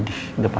jaft lu selalu